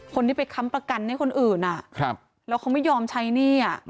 คนที่ไปค้ำประกันให้คนอื่นแล้วเขาไม่ยอมใช้หนี้